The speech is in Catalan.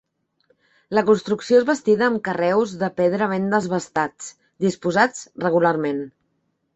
La construcció és bastida amb carreus de pedra ben desbastats, disposats regularment.